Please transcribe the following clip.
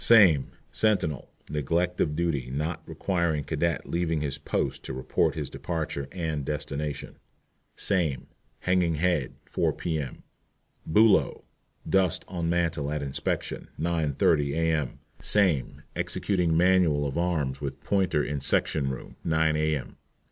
SAME. Sentinel, neglect of duty, not requiring cadet leaving his post to report his departure and destination. SAME. Hanging head, 4 P.M. BULOW. Dust on mantel at inspection, 9.30 A.M. SAME. Executing manual of arms with pointer in section room, 9 A.M.